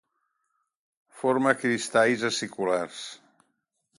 Forma cristalls aciculars.